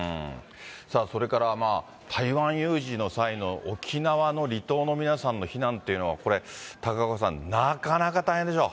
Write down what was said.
それから台湾有事の際の沖縄の離島の皆さんの避難っていうのは、これ、高岡さん、なかなか大変でしょ。